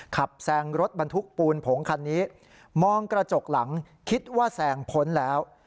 แซงรถบรรทุกปูนผงคันนี้มองกระจกหลังคิดว่าแซงพ้นแล้ว